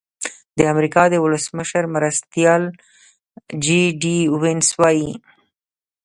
د امریکا د ولسمشر مرستیال جي ډي وینس وايي.